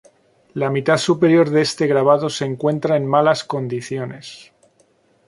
La mitad superior de este grabado se encuentra en malas condiciones.